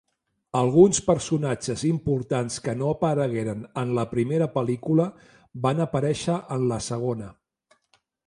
Alguns personatges importants que no aparegueren en la primera pel·lícula van aparèixer en la segona.